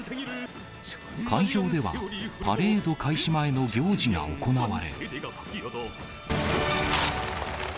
会場では、パレード開始前の行事が行われ。